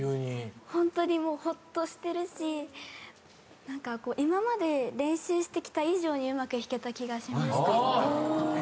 ホントにホッとしてるし今まで練習してきた以上にうまく弾けた気がしました。